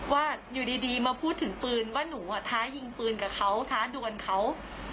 ว่าอยู่ดีมาพูดถึงปืนว่าหนูท้ายิงปืนกับเขาท้าดวนเขา